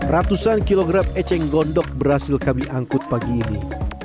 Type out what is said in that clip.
ratusan kilogram eceng gondok berhasil kami angkut pagi ini